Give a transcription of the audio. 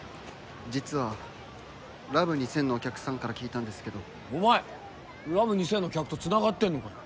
実はラブ２０００のお客さんから聞いたんですけどお前ラブ２０００の客とつながってんのかよ